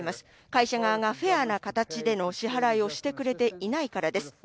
会社側がフェアな形でのサポートをしてくれていないからです。